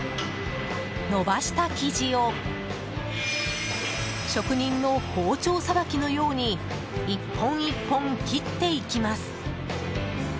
延ばした生地を職人の包丁さばきのように１本１本切っていきます。